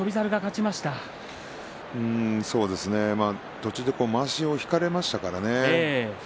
途中でまわしを引かれてしまいましたからね。